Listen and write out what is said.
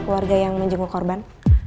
keluarga yang menjenguk korban